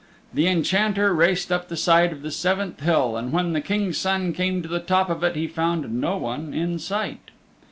The Enchanter raced up the side of the seventh hill, and when the King's Son came to the top of it he found no one in sight.